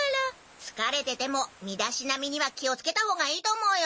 つかれてても身だしなみには気をつけた方がいいと思うよ。